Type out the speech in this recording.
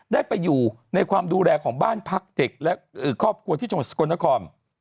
ได้ไปอยู่ในความดูแลของบ้านพักเด็กและครอบครัวที่จังหวัดสกลนคร